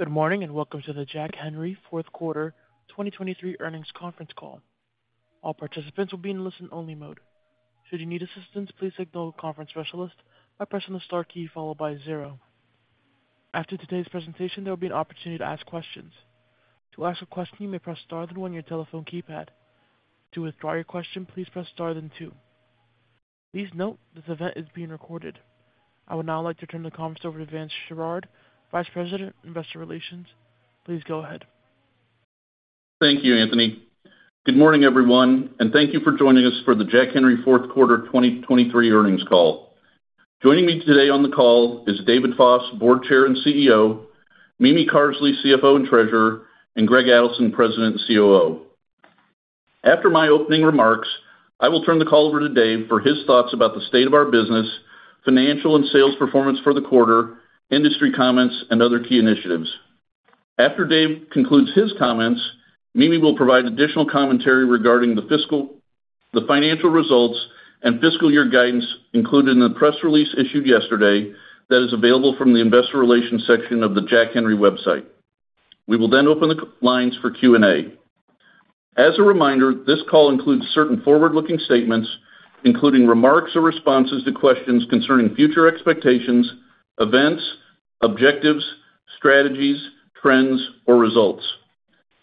Good morning, welcome to the Jack Henry Q4 2023 Earnings Conference Call. All participants will be in listen-only mode. Should you need assistance, please signal the conference specialist by pressing the Star key followed by zero. After today's presentation, there will be an opportunity to ask questions. To ask a question, you may press star, then one your telephone keypad. To withdraw your question, please press Star, then two. Please note, this event is being recorded. I would now like to turn the conference over to Vance Sherard, Vice President, Investor Relations. Please go ahead. Thank you, Anthony. Good morning, everyone, and thank you for joining us for the Jack Henry Q4 2023 Earnings Call. Joining me today on the call is David Foss, Board Chair and CEO, Mimi Carsley, CFO and Treasurer, and Gregory Adelson, President and COO. After my opening remarks, I will turn the call over to Dave for his thoughts about the state of our business, financial and sales performance for the quarter, industry comments, and other key initiatives. After Dave concludes his comments, Mimi will provide additional commentary regarding the financial results and fiscal year guidance included in the press release issued yesterday that is available from the investor relations section of the Jack Henry website. We will open the lines for Q&A. As a reminder, this call includes certain forward-looking statements, including remarks or responses to questions concerning future expectations, events, objectives, strategies, trends, or results.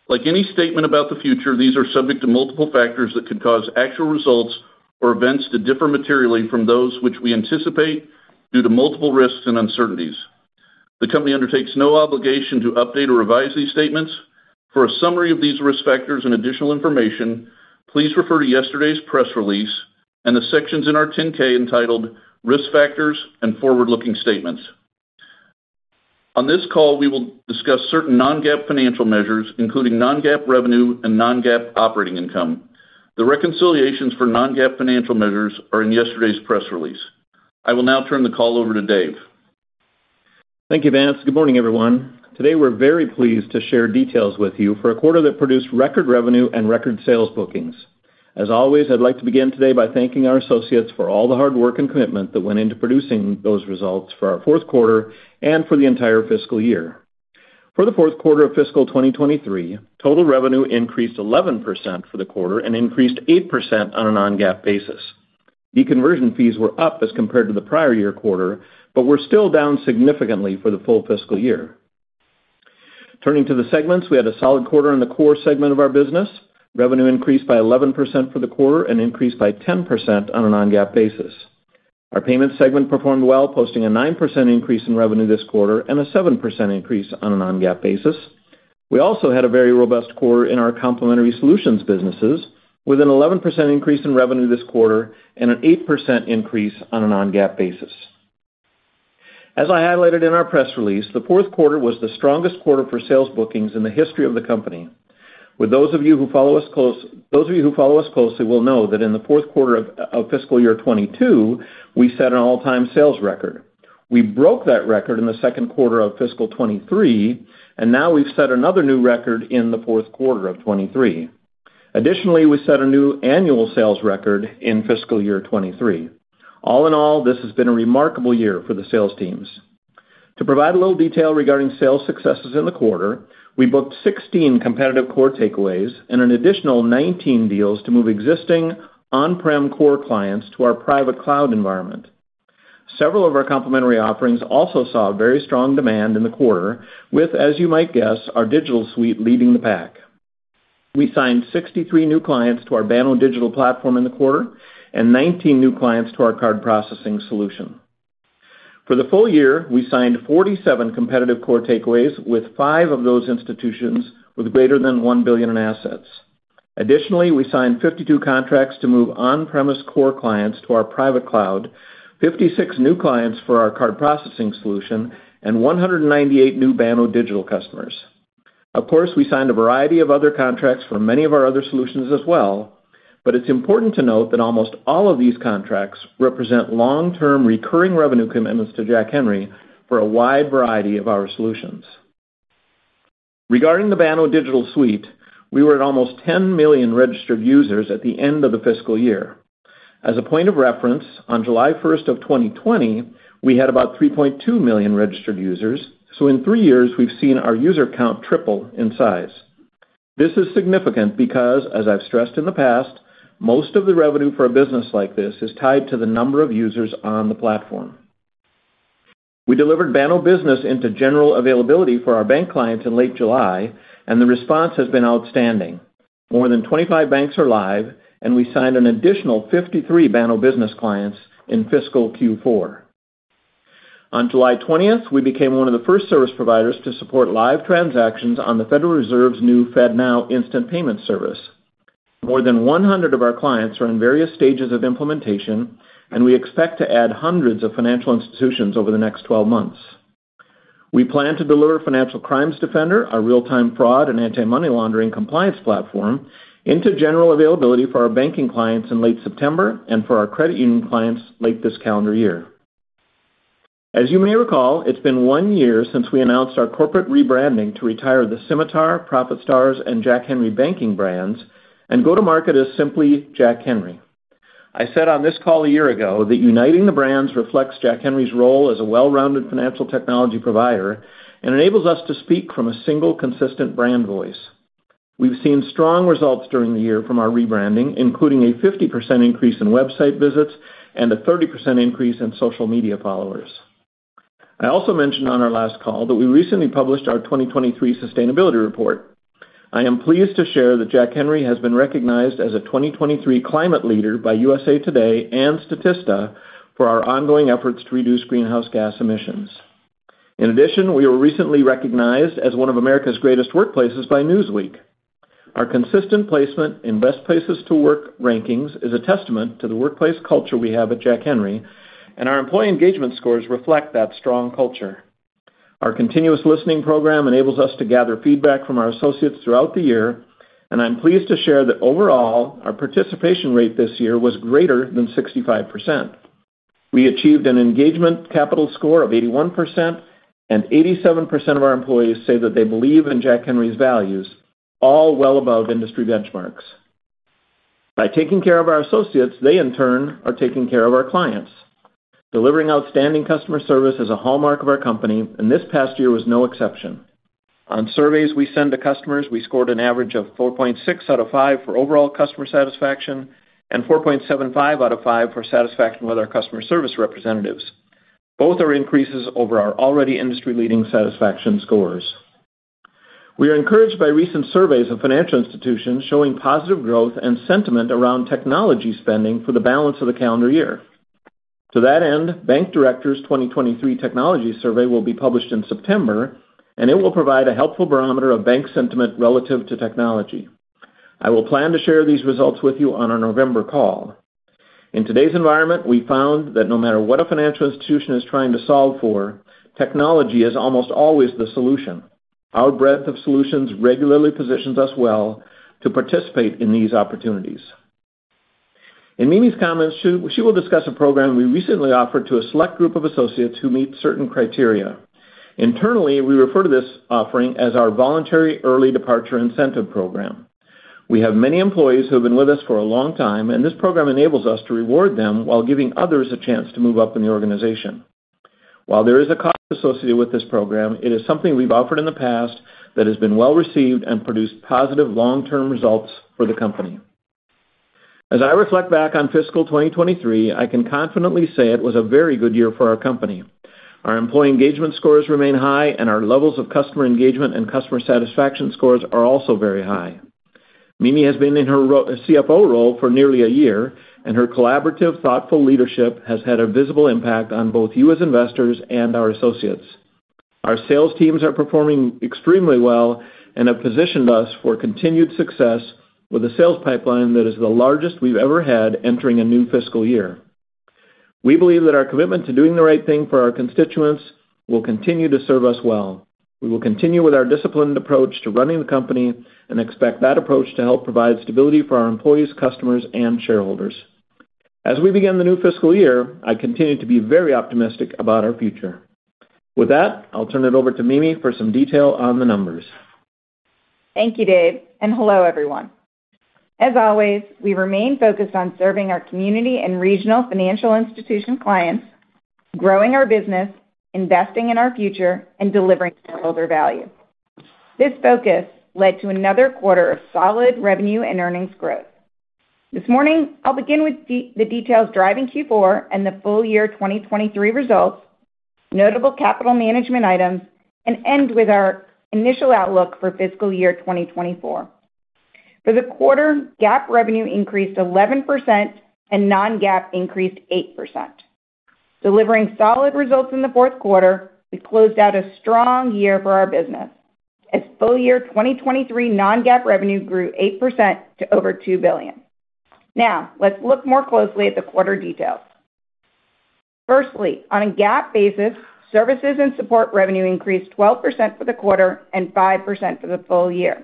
Like any statement about the future, these are subject to multiple factors that could cause actual results or events to differ materially from those which we anticipate due to multiple risks and uncertainties. The company undertakes no obligation to update or revise these statements. For a summary of these risk factors and additional information, please refer to yesterday's press release and the sections in our 10-K entitled Risk Factors and Forward-Looking Statements. On this call, we will discuss certain non-GAAP financial measures, including non-GAAP revenue and non-GAAP operating income. The reconciliations for non-GAAP financial measures are in yesterday's press release. I will now turn the call over to Dave. Thank you, Vance. Good morning, everyone. Today, we're very pleased to share details with you for a quarter that produced record revenue and record sales bookings. As always, I'd like to begin today by thanking our associates for all the hard work and commitment that went into producing those results for our Q4 and for the entire fiscal year. For the Q4 of fiscal 2023, total revenue increased 11% for the quarter and increased 8% on a non-GAAP basis. Deconversion fees were up as compared to the prior year quarter, but were still down significantly for the full fiscal year. Turning to the segments, we had a solid quarter in the core segment of our business. Revenue increased by 11% for the quarter and increased by 10% on a non-GAAP basis. Our payment segment performed well, posting a 9% increase in revenue this quarter and a 7% increase on a non-GAAP basis. We also had a very robust quarter in our complementary solutions businesses, with an 11% increase in revenue this quarter and an 8% increase on a non-GAAP basis. As I highlighted in our press release, the Q4 was the strongest quarter for sales bookings in the history of the company. Those of you who follow us closely will know that in the Q4 of fiscal year 2022, we set an all-time sales record. We broke that record in the Q2 of fiscal 2023, now we've set another new record in the Q4 of 2023. Additionally, we set a new annual sales record in fiscal year 2023. All in all, this has been a remarkable year for the sales teams. To provide a little detail regarding sales successes in the quarter, we booked 16 competitive core takeaways and an additional 19 deals to move existing on-premise core clients to our private cloud environment. Several of our complementary offerings also saw a very strong demand in the quarter with, as you might guess, our digital suite leading the pack. We signed 63 new clients to our Banno Digital Platform in the quarter and 19 new clients to our card processing solution. For the full year, we signed 47 competitive core takeaways, with five of those institutions with greater than $1 billion in assets. Additionally, we signed 52 contracts to move on-premise core clients to our private cloud, 56 new clients for our card processing solution, and 198 new Banno Digital customers. Of course, we signed a variety of other contracts for many of our other solutions as well, but it's important to note that almost all of these contracts represent long-term recurring revenue commitments to Jack Henry for a wide variety of our solutions. Regarding the Banno Digital Suite, we were at almost 10 million registered users at the end of the fiscal year. As a point of reference, on July 1, 2020, we had about 3.2 million registered users. In three years, we've seen our user count triple in size. This is significant because, as I've stressed in the past, most of the revenue for a business like this is tied to the number of users on the platform. We delivered Banno Business into general availability for our bank clients in late July, and the response has been outstanding. More than 25 banks are live, and we signed an additional 53 Banno Business clients in fiscal Q4. On July 20th, we became one of the first service providers to support live transactions on the Federal Reserve's new FedNow instant payment service. More than 100 of our clients are in various stages of implementation, and we expect to add hundreds of financial institutions over the next 12 months. We plan to deliver Financial Crimes Defender, our real-time fraud and anti-money laundering compliance platform, into general availability for our banking clients in late September and for our credit union clients late this calendar year. As you may recall, it's been one year since we announced our corporate rebranding to retire the Symitar, ProfitStars, and Jack Henry Banking brands and go to market as simply Jack Henry. I said on this call a year ago that uniting the brands reflects Jack Henry's role as a well-rounded financial technology provider and enables us to speak from a single, consistent brand voice. We've seen strong results during the year from our rebranding, including a 50% increase in website visits and a 30% increase in social media followers. I also mentioned on our last call that we recently published our 2023 sustainability report. I am pleased to share that Jack Henry has been recognized as a 2023 climate leader by USA Today and Statista for our ongoing efforts to reduce greenhouse gas emissions. In addition, we were recently recognized as one of America's Greatest Workplaces by Newsweek. Our consistent placement in Best Places to Work rankings is a testament to the workplace culture we have at Jack Henry, and our employee engagement scores reflect that strong culture. Our continuous listening program enables us to gather feedback from our associates throughout the year, and I'm pleased to share that overall, our participation rate this year was greater than 65%. We achieved an engagement capital score of 81%, and 87% of our employees say that they believe in Jack Henry's values, all well above industry benchmarks. By taking care of our associates, they, in turn, are taking care of our clients. Delivering outstanding customer service is a hallmark of our company, and this past year was no exception. On surveys we send to customers, we scored an average of 4.6 out of 5 for overall customer satisfaction and 4.75 out of 5 for satisfaction with our customer service representatives. Both are increases over our already industry-leading satisfaction scores. We are encouraged by recent surveys of financial institutions showing positive growth and sentiment around technology spending for the balance of the calendar year. To that end, Bank Director's 2023 Technology Survey will be published in September, and it will provide a helpful barometer of bank sentiment relative to technology. I will plan to share these results with you on our November call. In today's environment, we found that no matter what a financial institution is trying to solve for, technology is almost always the solution. Our breadth of solutions regularly positions us well to participate in these opportunities. In Mimi's comments, she will discuss a program we recently offered to a select group of associates who meet certain criteria. Internally, we refer to this offering as our Voluntary Early Departure Incentive Program. We have many employees who have been with us for a long time, and this program enables us to reward them while giving others a chance to move up in the organization. While there is a cost associated with this program, it is something we've offered in the past that has been well-received and produced positive long-term results for the company. As I reflect back on fiscal 2023, I can confidently say it was a very good year for our company. Our employee engagement scores remain high, and our levels of customer engagement and customer satisfaction scores are also very high. Mimi has been in her CFO role for nearly a year, and her collaborative, thoughtful leadership has had a visible impact on both you as investors and our associates. Our sales teams are performing extremely well and have positioned us for continued success with a sales pipeline that is the largest we've ever had entering a new fiscal year. We believe that our commitment to doing the right thing for our constituents will continue to serve us well. We will continue with our disciplined approach to running the company and expect that approach to help provide stability for our employees, customers, and shareholders. As we begin the new fiscal year, I continue to be very optimistic about our future. With that, I'll turn it over to Mimi for some detail on the numbers. Thank you, Dave, and hello, everyone. As always, we remain focused on serving our community and regional financial institution clients, growing our business, investing in our future, and delivering shareholder value. This focus led to another quarter of solid revenue and earnings growth. This morning, I'll begin with the details driving Q4 and the full year 2023 results, notable capital management items, and end with our initial outlook for fiscal year 2024. For the quarter, GAAP revenue increased 11% and non-GAAP increased 8%. Delivering solid results in the Q4, we closed out a strong year for our business, as full year 2023 non-GAAP revenue grew 8% to over $2 billion. Let's look more closely at the quarter details. Firstly, on a GAAP basis, services and support revenue increased 12% for the quarter and 5% for the full year.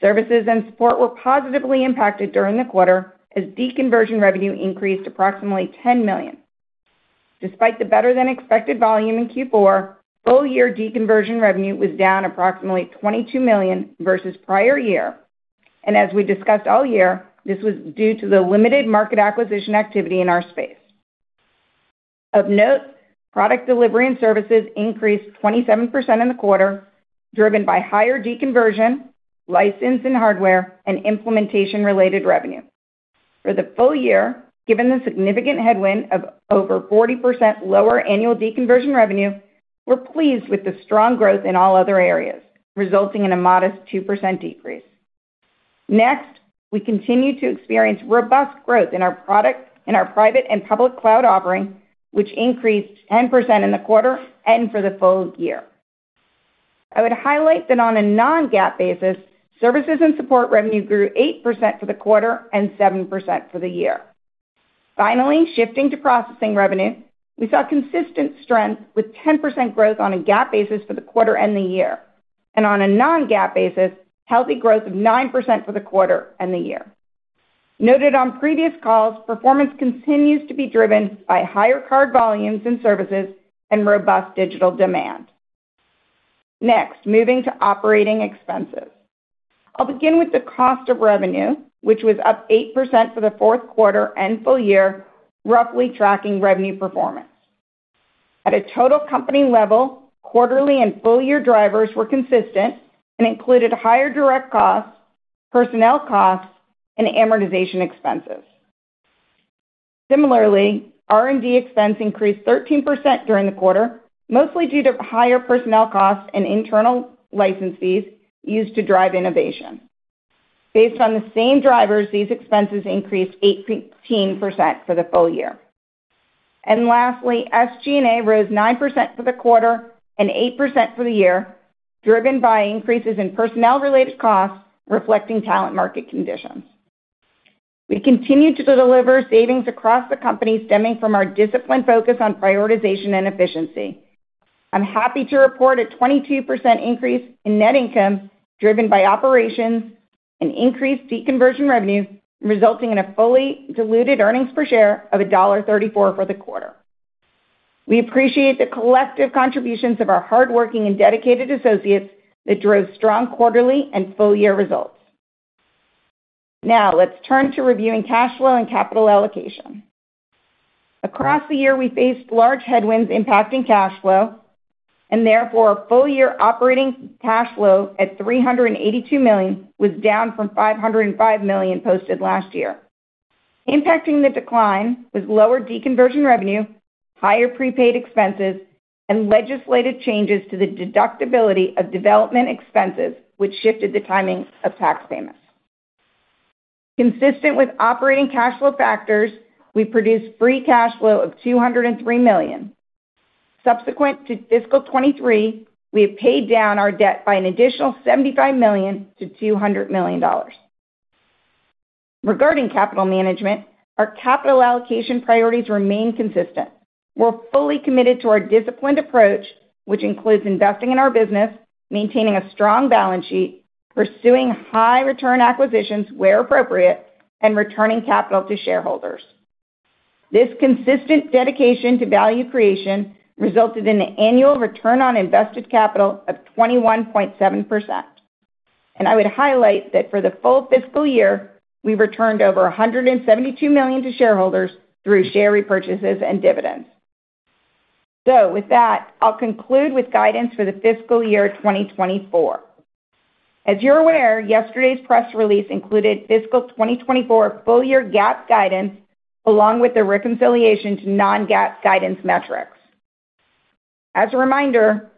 Services and support were positively impacted during the quarter as deconversion revenue increased approximately $10 million. Despite the better-than-expected volume in Q4, full year deconversion revenue was down approximately $22 million versus prior year, and as we discussed all year, this was due to the limited market acquisition activity in our space. Of note, product delivery and services increased 27% in the quarter, driven by higher deconversion, license and hardware, and implementation-related revenue. For the full year, given the significant headwind of over 40% lower annual deconversion revenue, we're pleased with the strong growth in all other areas, resulting in a modest 2% decrease. Next, we continue to experience robust growth in our private and public cloud offering, which increased 10% in the quarter and for the full year. I would highlight that on a non-GAAP basis, services and support revenue grew 8% for the quarter and 7% for the year. Finally, shifting to processing revenue, we saw consistent strength with 10% growth on a GAAP basis for the quarter and the year. On a non-GAAP basis, healthy growth of 9% for the quarter and the year. Noted on previous calls, performance continues to be driven by higher card volumes and services and robust digital demand. Next, moving to operating expenses. I'll begin with the cost of revenue, which was up 8% for the Q4 and full year, roughly tracking revenue performance. At a total company level, quarterly and full year drivers were consistent and included higher direct costs, personnel costs, and amortization expenses. Similarly, R&D expense increased 13% during the quarter, mostly due to higher personnel costs and internal license fees used to drive innovation. Based on the same drivers, these expenses increased 18% for the full year. Lastly, SG&A rose 9% for the quarter and 8% for the year, driven by increases in personnel-related costs, reflecting talent market conditions. We continue to deliver savings across the company, stemming from our disciplined focus on prioritization and efficiency. I'm happy to report a 22% increase in net income, driven by operations and increased deconversion revenues, resulting in a fully diluted earnings per share of $1.34 for the quarter. We appreciate the collective contributions of our hardworking and dedicated associates that drove strong quarterly and full-year results. Now, let's turn to reviewing cash flow and capital allocation. Across the year, we faced large headwinds impacting cash flow, and therefore, our full-year operating cash flow at $382 million was down from $505 million posted last year. Impacting the decline was lower deconversion revenue, higher prepaid expenses, and legislative changes to the deductibility of development expenses, which shifted the timing of tax payments. Consistent with operating cash flow factors, we produced free cash flow of $203 million. Subsequent to fiscal 2023, we have paid down our debt by an additional $75 million to $200 million. Regarding capital management, our capital allocation priorities remain consistent. We're fully committed to our disciplined approach, which includes investing in our business, maintaining a strong balance sheet, pursuing high return acquisitions where appropriate, and returning capital to shareholders. This consistent dedication to value creation resulted in an annual return on invested capital of 21.7%. I would highlight that for the full fiscal year, we returned over $172 million to shareholders through share repurchases and dividends. With that, I'll conclude with guidance for the fiscal year 2024. As you're aware, yesterday's press release included fiscal 2024 full-year GAAP guidance, along with a reconciliation to non-GAAP guidance metrics. As a reminder,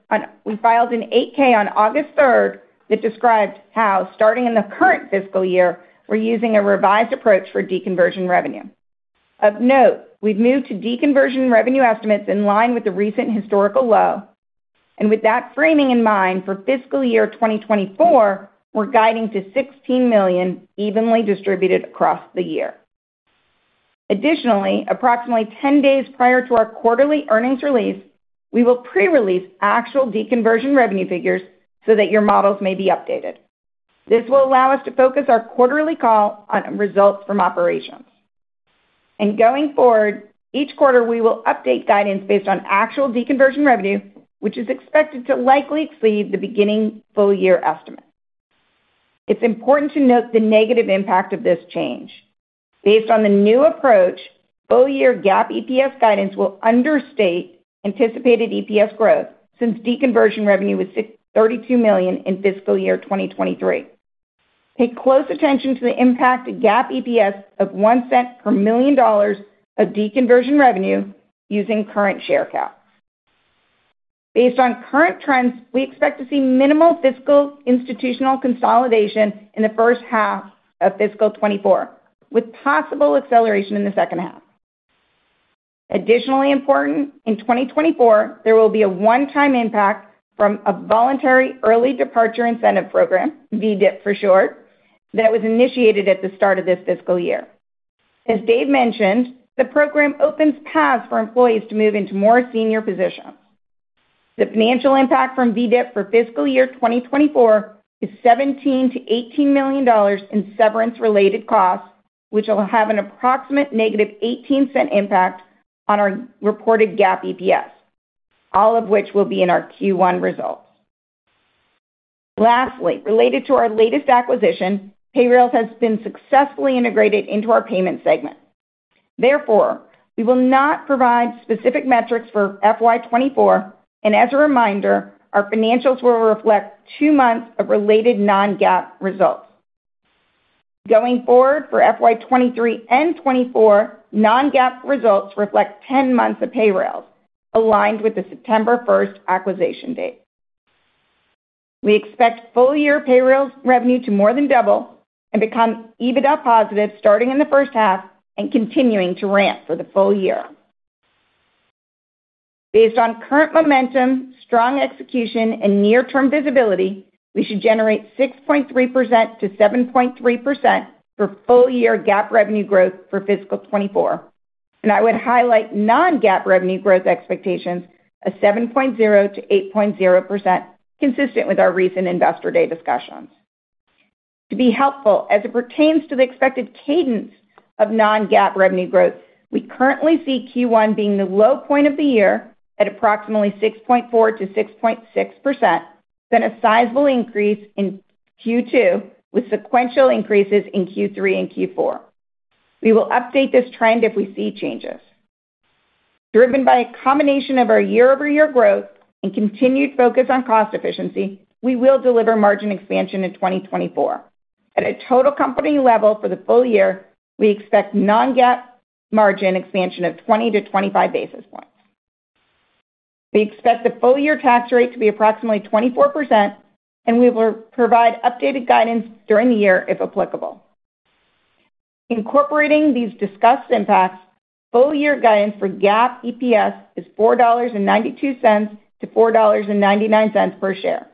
we filed an Form 8-K on August 3rd that describes how, starting in the current fiscal year, we're using a revised approach for deconversion revenue. Of note, we've moved to deconversion revenue estimates in line with the recent historical low, and with that framing in mind, for fiscal year 2024, we're guiding to $16 million evenly distributed across the year. Additionally, approximately 10 days prior to our quarterly earnings release, we will pre-release actual deconversion revenue figures so that your models may be updated. This will allow us to focus our quarterly call on results from operations. Going forward, each quarter, we will update guidance based on actual deconversion revenue, which is expected to likely exceed the beginning full-year estimate. It's important to note the negative impact of this change. Based on the new approach, full-year GAAP EPS guidance will understate anticipated EPS growth since deconversion revenue was $632 million in fiscal year 2023. Pay close attention to the impact to GAAP EPS of $0.01 per $1 million of deconversion revenue using current share count. Based on current trends, we expect to see minimal financial institutional consolidation in the H1 of fiscal 2024, with possible acceleration in the H2. Additionally important, in 2024, there will be a one-time impact from a voluntary early departure incentive program, VDIP for short, that was initiated at the start of this fiscal year. As Dave mentioned, the program opens paths for employees to move into more senior positions. The financial impact from VDIP for fiscal year 2024 is $17 million to $18 million in severance-related costs, which will have an approximate negative $0.18 impact on our reported GAAP EPS, all of which will be in our Q1 results. Related to our latest acquisition, Payrailz has been successfully integrated into our payment segment. We will not provide specific metrics for FY 2024, and as a reminder, our financials will reflect two months of related non-GAAP results. Going forward, for FY 2023 and 2024, non-GAAP results reflect 10 months of Payrailz, aligned with the September 1st acquisition date. We expect full-year Payrailz revenue to more than double and become EBITDA positive starting in the H1 and continuing to ramp for the full year. Based on current momentum, strong execution, and near-term visibility, we should generate 6.3% to 7.3% for full-year GAAP revenue growth for fiscal 2024, and I would highlight non-GAAP revenue growth expectations of 7.0% to 8.0%, consistent with our recent Investor Day discussions. To be helpful, as it pertains to the expected cadence of non-GAAP revenue growth, we currently see Q1 being the low point of the year at approximately 6.4% to 6.6%, then a sizable increase in Q2, with sequential increases in Q3 and Q4. We will update this trend if we see changes. Driven by a combination of our year-over-year growth and continued focus on cost efficiency, we will deliver margin expansion in 2024. At a total company level for the full year, we expect non-GAAP margin expansion of 20 to 25 basis points. We expect the full-year tax rate to be approximately 24%. We will provide updated guidance during the year, if applicable. Incorporating these discussed impacts, full-year guidance for GAAP EPS is $4.92 to $4.99 per share.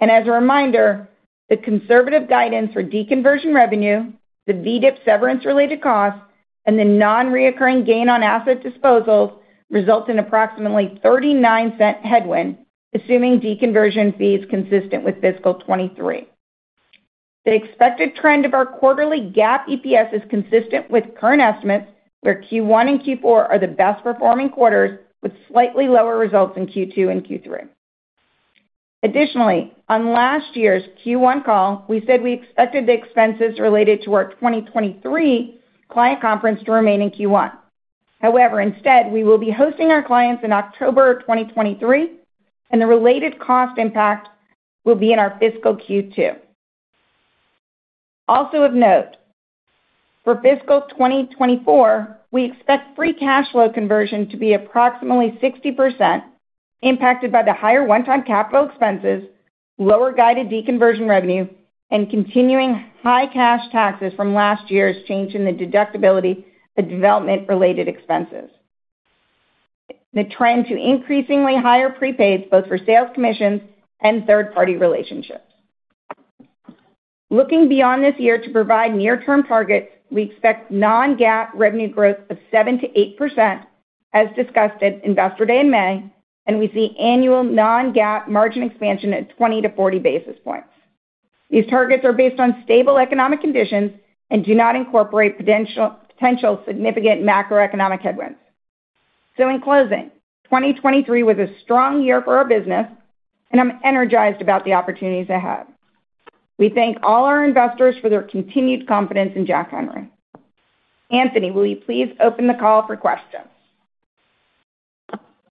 As a reminder, the conservative guidance for deconversion revenue, the VDIP severance-related costs, and the non-recurring gain on asset disposals, results in approximately $0.39 headwind, assuming deconversion fee is consistent with fiscal 2023. The expected trend of our quarterly GAAP EPS is consistent with current estimates, where Q1 and Q4 are the best performing quarters, with slightly lower results in Q2 and Q3. Additionally, on last year's Q1 call, we said we expected the expenses related to our 2023 client conference to remain in Q1. However, instead, we will be hosting our clients in October of 2023, and the related cost impact will be in our fiscal Q2. Also of note, for fiscal 2024, we expect free cash flow conversion to be approximately 60%, impacted by the higher one-time capital expenses, lower guided deconversion revenue, and continuing high cash taxes from last year's change in the deductibility of development-related expenses. The trend to increasingly higher prepaids, both for sales commissions and third-party relationships. Looking beyond this year to provide near-term targets, we expect non-GAAP revenue growth of 7% to 8%, as discussed at Investor Day in May, and we see annual non-GAAP margin expansion at 20 to 40 basis points. These targets are based on stable economic conditions and do not incorporate potential significant macroeconomic headwinds. In closing, 2023 was a strong year for our business, and I'm energized about the opportunities ahead. We thank all our investors for their continued confidence in Jack Henry. Anthony, will you please open the call for questions?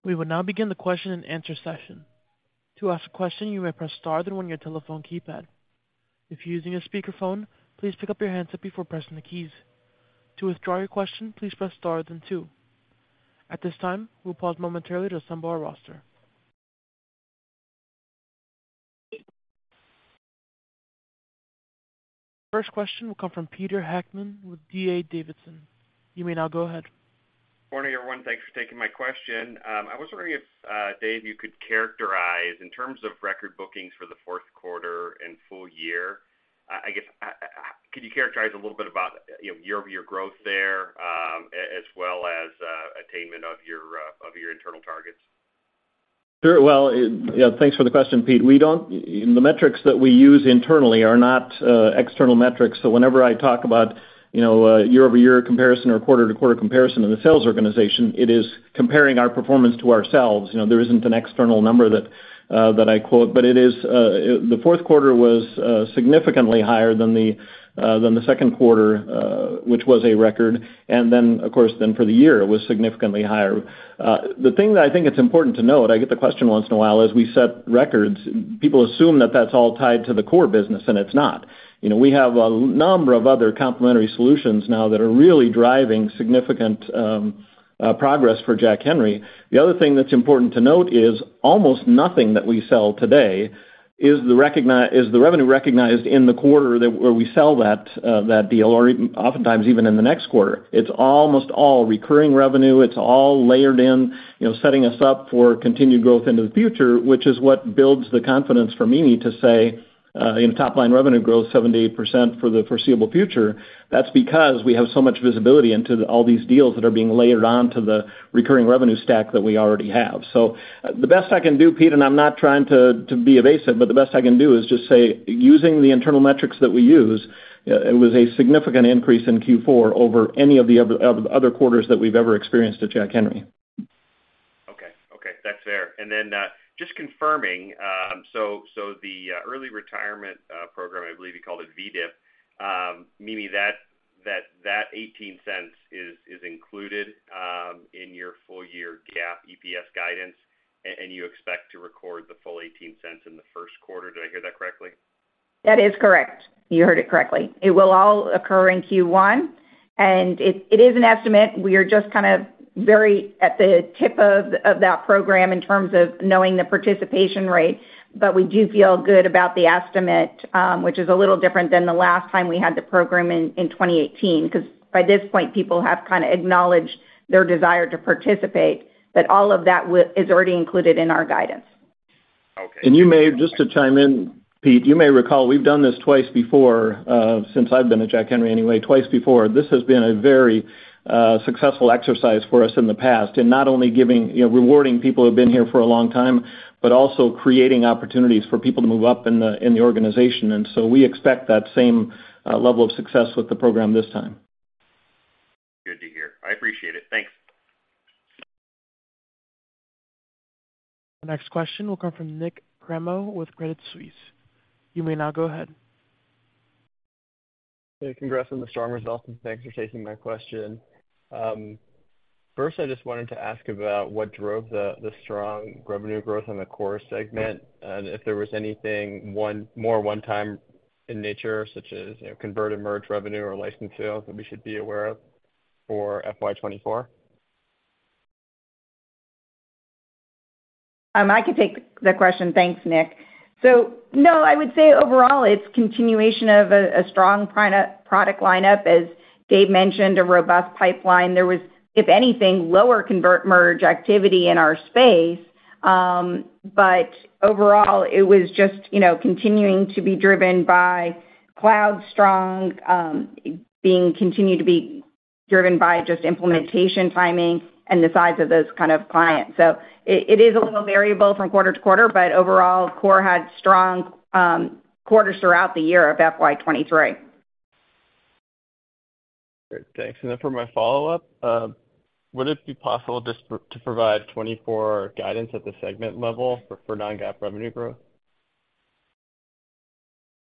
We will now begin the question-and-answer session. To ask a question, you may press star, then one your telephone keypad. If you're using a speakerphone, please pick up your handset before pressing the keys. To withdraw your question, please press star, then two. At this time, we'll pause momentarily to assemble our roster. First question will come from Peter Heckmann with D.A. Davidson. You may now go ahead. Morning, everyone. Thanks for taking my question. I was wondering if, Dave, you could characterize in terms of record bookings for the Q4 and full year, I guess, could you characterize a little bit about, you know, year-over-year growth there, as well as, attainment of your internal targets? Sure. Well, yeah, thanks for the question, Pete. We don't. The metrics that we use internally are not external metrics. Whenever I talk about, you know, year-over-year comparison or quarter-to-quarter comparison of the sales organization, it is comparing our performance to ourselves. You know, there isn't an external number that I quote, but it is, the Q4 was significantly higher than the Q2, which was a record. Of course, for the year, it was significantly higher. The thing that I think it's important to note, I get the question once in a while, is we set records. People assume that that's all tied to the core business, and it's not. You know, we have a number of other complementary solutions now that are really driving significant progress for Jack Henry. The other thing that's important to note is almost nothing that we sell today is the revenue recognized in the quarter that where we sell that deal, or oftentimes even in the next quarter. It's almost all recurring revenue. It's all layered in, you know, setting us up for continued growth into the future, which is what builds the confidence for Mimi to say, you know, top-line revenue grows 70% to 80% for the foreseeable future. That's because we have so much visibility into all these deals that are being layered on to the recurring revenue stack that we already have. The best I can do, Pete, and I'm not trying to, to be evasive, but the best I can do is just say, using the internal metrics that we use, it was a significant increase in Q4 over any of the other, of the other quarters that we've ever experienced at Jack Henry. Okay. Okay, that's fair. Then, just confirming, so the early retirement program, I believe you called it VDIP, Mimi, that $0.18 is included in your full year GAAP EPS guidance, and you expect to record the full $0.18 in the Q1. Did I hear that correctly? That is correct. You heard it correctly. It will all occur in Q1, and it, it is an estimate. We are just kind of very at the tip of, of that program in terms of knowing the participation rate, but we do feel good about the estimate, which is a little different than the last time we had the program in, in 2018, because by this point, people have acknowledged their desire to participate. All of that is already included in our guidance. Okay. Just to chime in, Pete, you may recall we've done this twice before, since I've been at Jack Henry anyway, twice before. This has been a very successful exercise for us in the past, in not only giving, you know, rewarding people who have been here for a long time, but also creating opportunities for people to move up in the, in the organization. We expect that same level of success with the program this time. Appreciate it. Thanks. The next question will come from Nik Cremo with Credit Suisse. You may now go ahead. Hey, congrats on the strong results, and thanks for taking my question. First, I just wanted to ask about what drove the strong revenue growth in the core segment, and if there was anything more one time in nature, such as, you know, convert and merge revenue or license sales that we should be aware of for FY 2024? I can take the question. Thanks, Nik. No, I would say overall, it's continuation of a strong product lineup. As Dave mentioned, a robust pipeline. There was, if anything, lower convert merge activity in our space. But overall, it was just, you know, continuing to be driven by cloud strong, being continued to be driven by just implementation timing and the size of those kind of clients. It is a little variable from quarter to quarter, but overall, core had strong quarters throughout the year of FY 2023. Great. Thanks. Then for my follow-up, would it be possible just to provide 2024 guidance at the segment level for non-GAAP revenue growth?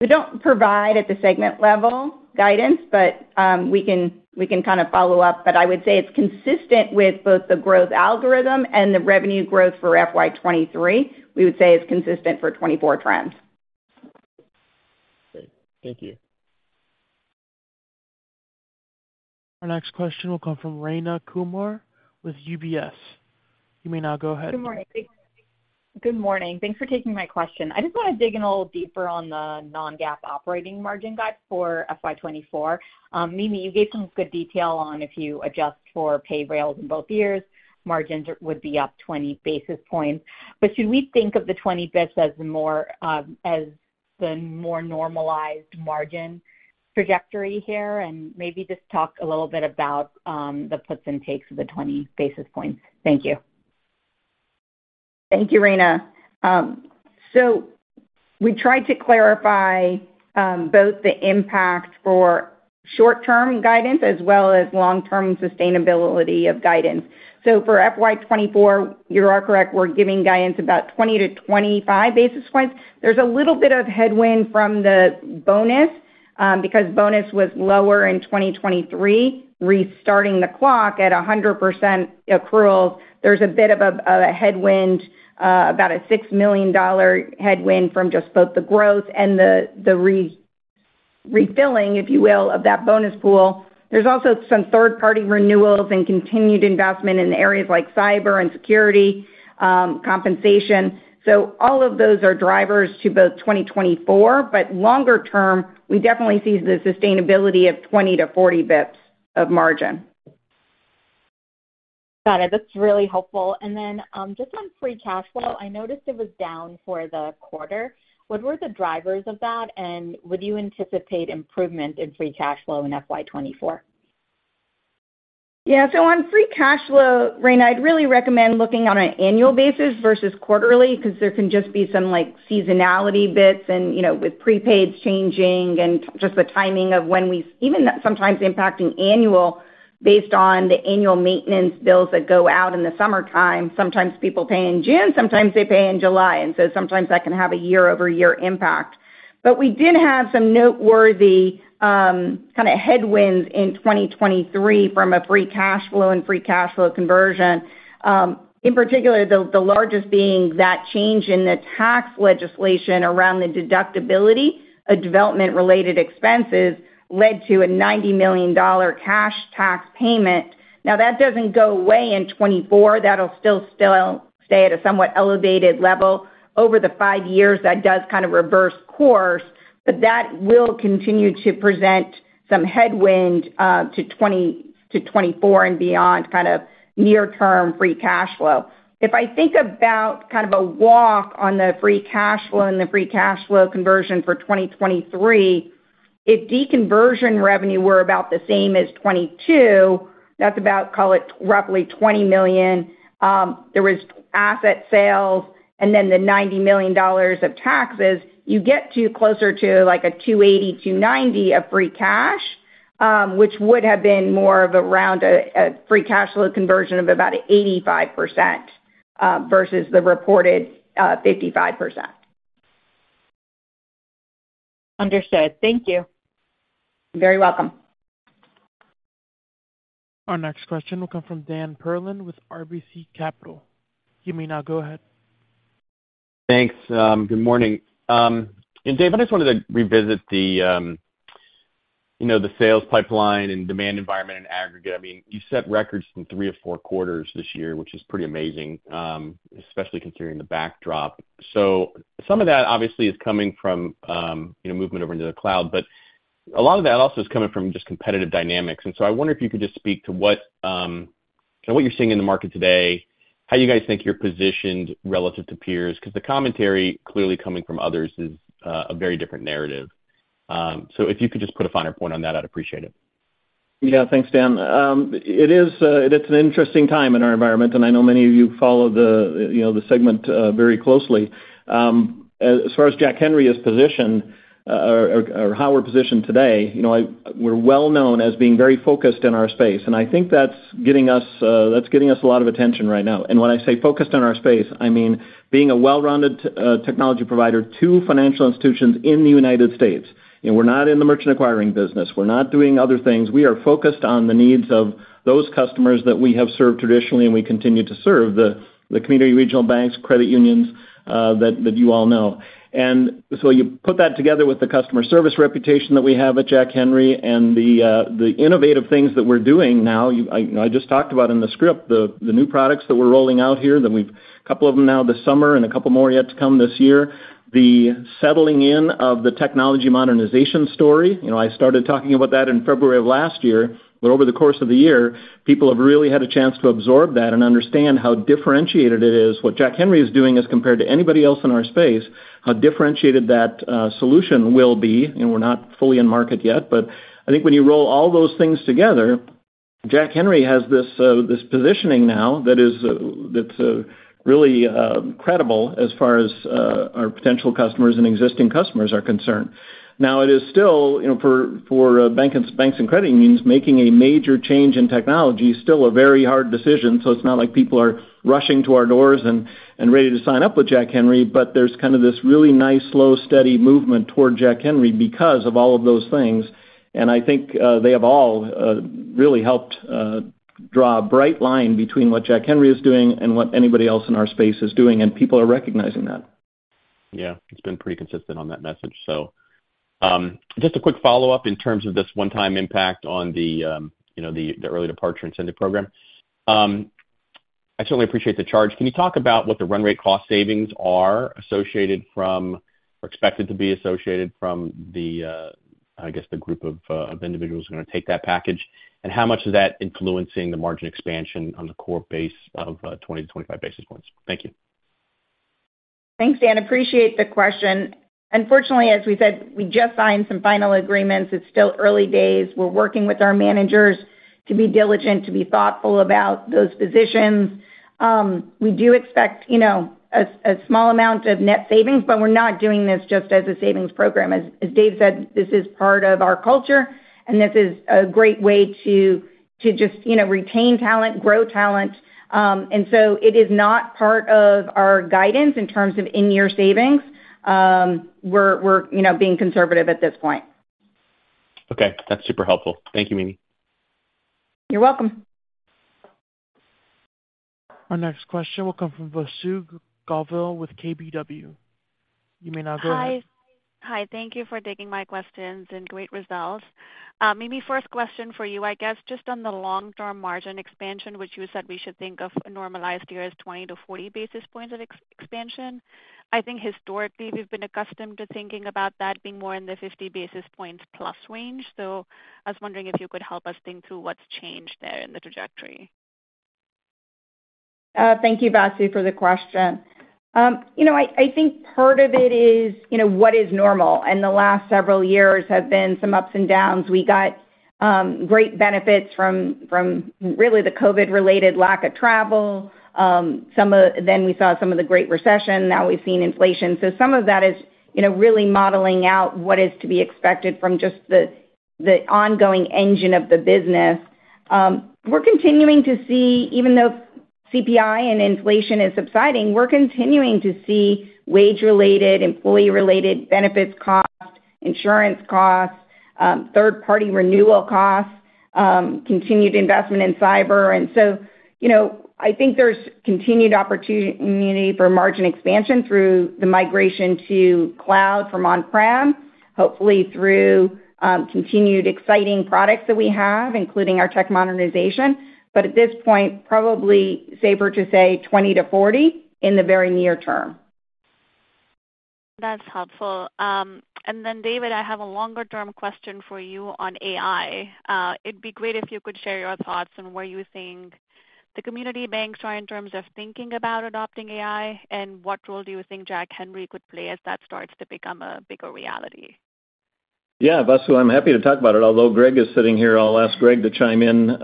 We don't provide at the segment level guidance, but we can, we can kind of follow up. I would say it's consistent with both the growth algorithm and the revenue growth for FY 2023. We would say it's consistent for 24 trends. Great. Thank you. Our next question will come from Rayna Kumar with UBS. You may now go ahead. Good morning. Good morning. Thanks for taking my question. I just want to dig in a little deeper on the non-GAAP operating margin guide for FY 2024. Mimi, you gave some good detail on if you adjust for Payrailz in both years, margins would be up 20 basis points. But should we think of the 20 basis points as the more, as the more normalized margin trajectory here? And maybe just talk a little bit about, the puts and takes of the 20 basis points. Thank you. Thank you, Rayna. We tried to clarify both the impact for short-term guidance as well as long-term sustainability of guidance. For FY 2024, you are correct, we're giving guidance about 20 to 25 basis points. There's a little bit of headwind from the bonus because bonus was lower in 2023, restarting the clock at 100% accruals. There's a bit of a headwind about a $6 million headwind from just both the growth and the re-refilling, if you will, of that bonus pool. There's also some third-party renewals and continued investment in areas like cyber and security, compensation. All of those are drivers to both 2024, but longer term, we definitely see the sustainability of 20 to 40 basis points of margin. Got it. That's really helpful. Just on free cash flow, I noticed it was down for the quarter. What were the drivers of that, and would you anticipate improvement in free cash flow in FY 2024? Yeah, so on free cash flow, Rayna, I'd really recommend looking on an annual basis versus quarterly, 'cause there can just be some, like, seasonality bits and, you know, with prepaids changing and just the timing of impacting annual, based on the annual maintenance bills that go out in the summertime. Sometimes people pay in June, sometimes they pay in July, and so sometimes that can have a year-over-year impact. We did have some noteworthy kind of headwinds in 2023 from a free cash flow and free cash flow conversion. In particular, the largest being that change in the tax legislation around the deductibility of development-related expenses led to a $90 million cash tax payment. That doesn't go away in 2024. That'll still stay at a somewhat elevated level. Over the five years, that does kind of reverse course, but that will continue to present some headwind to 2024 and beyond, kind of near-term free cash flow. If I think about kind of a walk on the free cash flow and the free cash flow conversion for 2023, if deconversion revenue were about the same as 2022, that's about, call it, roughly $20 million. There was asset sales and then the $90 million of taxes, you get to closer to, like, a $280 to $290 of free cash, which would have been more of around a, a free cash flow conversion of about 85% versus the reported 55%. Understood. Thank you. You're very welcome. Our next question will come from Dan Perlin with RBC Capital. You may now go ahead. Thanks. Good morning. Dave, I just wanted to revisit the, you know, the sales pipeline and demand environment in aggregate. I mean, you set records in three or four quarters this year, which is pretty amazing, especially considering the backdrop. Some of that obviously is coming from, you know, movement over into the cloud, but a lot of that also is coming from just competitive dynamics. I wonder if you could just speak to what, kind of what you're seeing in the market today, how you guys think you're positioned relative to peers, because the commentary clearly coming from others is a very different narrative. If you could just put a finer point on that, I'd appreciate it. Yeah, thanks, Dan. It is, it's an interesting time in our environment, and I know many of you follow the, you know, the segment, very closely. As far as Jack Henry is positioned, or how we're positioned today, you know, we're well known as being very focused in our space, and I think that's getting us, that's getting us a lot of attention right now. When I say focused on our space, I mean, being a well-rounded technology provider to financial institutions in the United States. You know, we're not in the merchant acquiring business. We're not doing other things. We are focused on the needs of those customers that we have served traditionally, and we continue to serve, the community, regional banks, credit unions, that you all know. So you put that together with the customer service reputation that we have at Jack Henry and the innovative things that we're doing now. I, I just talked about in the script, the new products that we're rolling out here, that we've a couple of them now this summer and a couple more yet to come this year. The settling in of the technology modernization story. You know, I started talking about that in February of last year. Over the course of the year, people have really had a chance to absorb that and understand how differentiated it is, what Jack Henry is doing as compared to anybody else in our space, how differentiated that solution will be, and we're not fully in market yet. I think when you roll all those things together, Jack Henry has this, this positioning now that is, that's, really credible as far as, our potential customers and existing customers are concerned. It is still, you know, for, for banks and credit unions, making a major change in technology is still a very hard decision, so it's not like people are rushing to our doors and, and ready to sign up with Jack Henry, but there's kind of this really nice, slow, steady movement toward Jack Henry because of all of those things. I think, they have all, really helped, draw a bright line between what Jack Henry is doing and what anybody else in our space is doing, and people are recognizing that. Yeah, it's been pretty consistent on that message. Just a quick follow-up in terms of this one-time impact on the, you know, the, the early departure incentive program. I certainly appreciate the charge. Can you talk about what the run rate cost savings are associated from or expected to be associated from the, I guess, the group of individuals who are going to take that package? How much is that influencing the margin expansion on the core base of, 20 to 25 basis points? Thank you. Thanks, Dan. Appreciate the question. Unfortunately, as we said, we just signed some final agreements. It's still early days. We're working with our managers to be diligent, to be thoughtful about those positions. We do expect, you know, a small amount of net savings, but we're not doing this just as a savings program. As Dave said, this is part of our culture, and this is a great way to, to just, you know, retain talent, grow talent. So it is not part of our guidance in terms of in-year savings. We're, you know, being conservative at this point. Okay. That's super helpful. Thank you, Mimi. You're welcome. Our next question will come from Vasu Govil with KBW. You may now go ahead. Hi, thank you for taking my questions and great results. Mimi, first question for you. I guess, just on the long-term margin expansion, which you said we should think of a normalized year as 20 to 40 basis points of expansion. I think historically, we've been accustomed to thinking about that being more in the 50 basis points plus range. So I was wondering if you could help us think through what's changed there in the trajectory. Thank you, Vasu, for the question. You know, I, I think part of it is, you know, what is normal? The last several years have been some ups and downs. We got great benefits from, from really the COVID-related lack of travel. We saw some of the Great Recession, now we've seen inflation. Some of that is, you know, really modeling out what is to be expected from just the ongoing engine of the business. We're continuing to see, even though CPI and inflation is subsiding, we're continuing to see wage-related, employee-related benefits costs, insurance costs, third-party renewal costs, continued investment in cyber. You know, I think there's continued opportunity for margin expansion through the migration to cloud from on-prem, hopefully through continued exciting products that we have, including our tech modernization. At this point, probably safer to say 20 to 40 basis points in the very near term. That's helpful. David, I have a longer-term question for you on AI. It'd be great if you could share your thoughts on where you think the community banks are in terms of thinking about adopting AI, and what role do you think Jack Henry could play as that starts to become a bigger reality? Yeah, Vasu, I'm happy to talk about it, although Greg is sitting here. I'll ask Greg to chime in.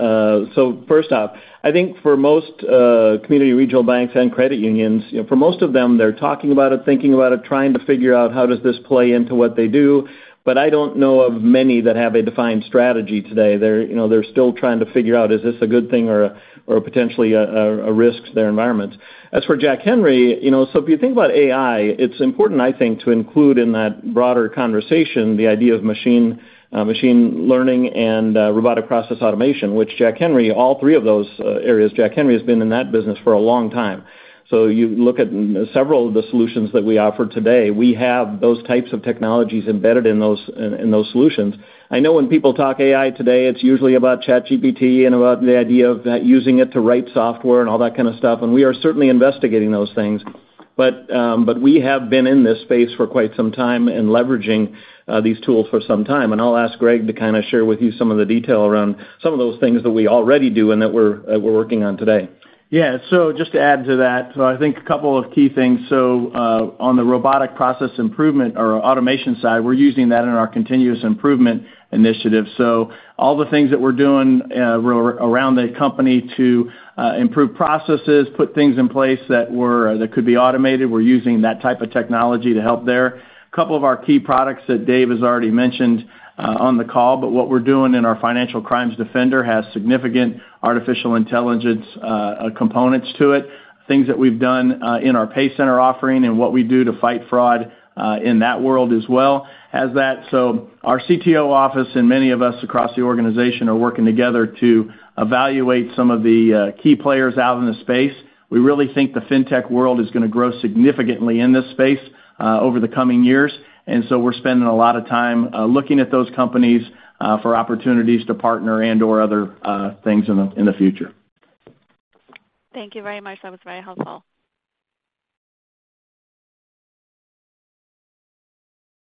First off, I think for most community, regional banks and credit unions, you know, for most of them, they're talking about it, thinking about it, trying to figure out how does this play into what they do. I don't know of many that have a defined strategy today. They're, you know, they're still trying to figure out, is this a good thing or potentially a, a, a risk to their environment? As for Jack Henry, you know, if you think about AI, it's important, I think, to include in that broader conversation the idea of machine learning and robotic process automation, which Jack Henry, all three of those areas, Jack Henry has been in that business for a long time. You look at several of the solutions that we offer today, we have those types of technologies embedded in those, in, in those solutions. I know when people talk AI today, it's usually about ChatGPT and about the idea of that using it to write software and all that kind of stuff, and we are certainly investigating those things. But we have been in this space for quite some time and leveraging these tools for some time. I'll ask Greg to kind of share with you some of the detail around some of those things that we already do and that we're working on today. Yeah, so just to add to that, I think a couple of key things. On the robotic process improvement or automation side, we're using that in our continuous improvement initiative. All the things that we're doing, around the company to, improve processes, put things in place that could be automated, we're using that type of technology to help there. A couple of our key products that Dave has already mentioned, on the call, but what we're doing in our Financial Crimes Defender has significant artificial intelligence components to it. Things that we've done, in our JHA PayCenter offering and what we do to fight fraud, in that world as well has that. Our CTO office and many of us across the organization are working together to evaluate some of the key players out in the space. We really think the FinTech world is gonna grow significantly in this space over the coming years, and so we're spending a lot of time looking at those companies for opportunities to partner and or other things in the, in the future. Thank you very much. That was very helpful.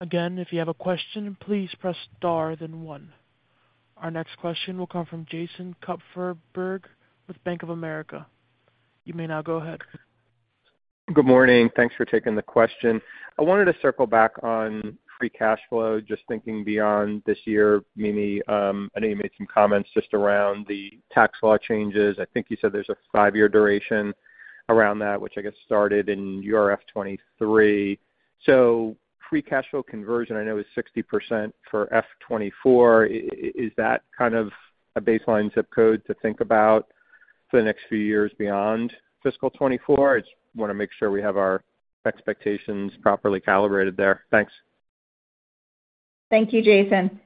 Again, if you have a question, please press star then one. Our next question will come from Jason Kupferberg with Bank of America. You may now go ahead. Good morning. Thanks for taking the question. I wanted to circle back on free cash flow, just thinking beyond this year. Mimi, I know you made some comments just around the tax law changes. I think you said there's a five-year duration around that, which I guess started in your FY 2023. So free cash flow conversion, I know, is 60% for FY 2024. Is that kind of a baseline zip code to think about for the next few years beyond fiscal 2024? I just wanna make sure we have our expectations properly calibrated there. Thanks. Thank you, Jason.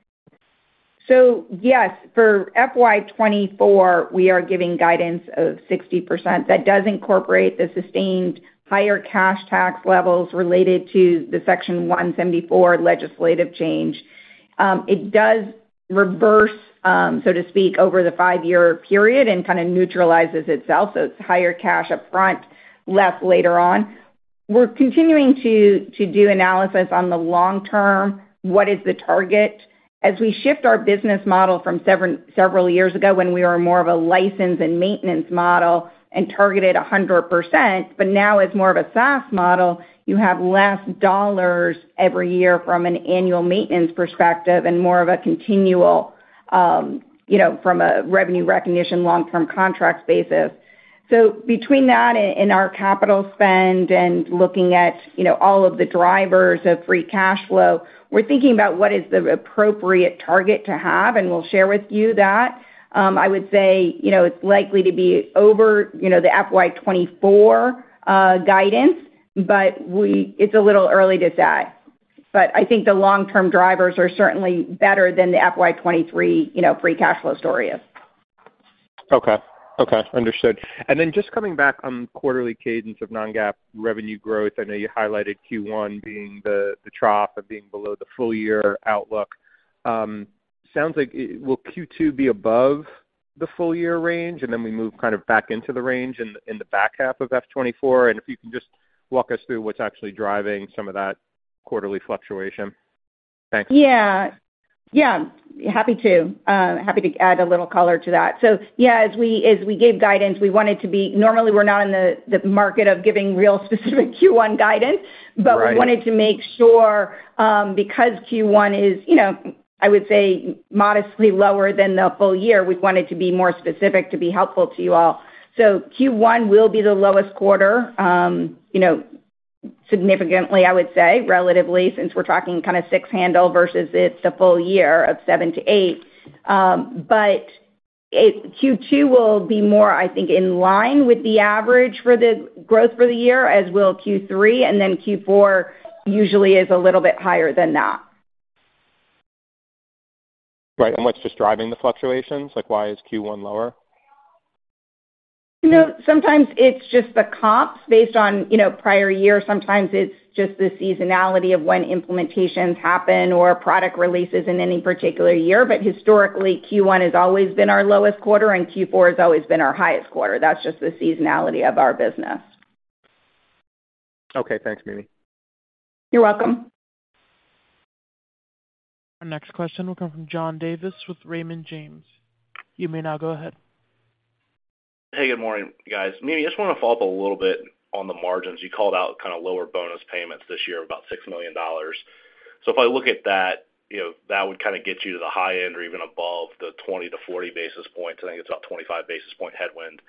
Yes, for FY 2024, we are giving guidance of 60%. That does incorporate the sustained higher cash tax levels related to the Section 174 legislative change. It does reverse, so to speak, over the five-year period and kind of neutralizes itself, so it's higher cash up front, less later on. We're continuing to, to do analysis on the long term, what is the target? As we shift our business model from several years ago, when we were more of a license and maintenance model and targeted 100%, but now it's more of a SaaS model, you have less dollars every year from an annual maintenance perspective and more of a continual, you know, from a revenue recognition, long-term contract basis. Between that and our capital spend and looking at, you know, all of the drivers of free cash flow, we're thinking about what is the appropriate target to have, and we'll share with you that. I would say, you know, it's likely to be over, you know, the FY 2024 guidance, but we it's a little early to say. I think the long-term drivers are certainly better than the FY 2023, you know, free cash flow story is. Okay, understood. Then just coming back on quarterly cadence of non-GAAP revenue growth, I know you highlighted Q1 being the trough of being below the full year outlook. Sounds like it. Will Q2 be above the full year range, and then we move kind of back into the range in the back half of FY 2024? If you can just walk us through what's actually driving some of that quarterly fluctuation. Thanks. Yeah, happy to add a little color to that. Yeah, as we, as we gave guidance, we wanted to be. Normally, we're not in the market of giving real specific Q1 guidance. Right. We wanted to make sure, because Q1 is, you know, I would say modestly lower than the full year, we wanted to be more specific to be helpful to you all. Q1 will be the lowest quarter, you know, significantly, I would say, relatively, since we're talking kind of six handle versus it's the full year of seven to eight. Q2 will be more, I think, in line with the average for the growth for the year, as will Q3, and then Q4 usually is a little bit higher than that. Right. What's just driving the fluctuations? Like, why is Q1 lower? You know, sometimes it's just the comps based on, you know, prior year. Sometimes it's just the seasonality of when implementations happen or product releases in any particular year. Historically, Q1 has always been our lowest quarter, and Q4 has always been our highest quarter. That's just the seasonality of our business. Okay, thanks, Mimi. You're welcome. Our next question will come from John Davis with Raymond James. You may now go ahead. Hey, good morning, guys. Mimi, I just want to follow up a little bit on the margins. You called out kind of lower bonus payments this year, about $6 million. If I look at that, you know, that would kind of get you to the high end or even above the 20 to 40 basis points. I think it's about 25 basis point headwind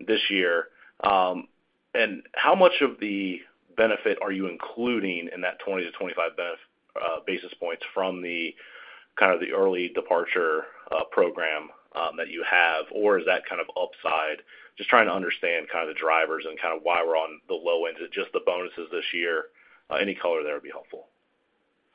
this year. And how much of the benefit are you including in that 20 to 25 basis points from the kind of the early departure program that you have, or is that kind of upside? Just trying to understand kind of the drivers and kind of why we're on the low end to just the bonuses this year. Any color there would be helpful.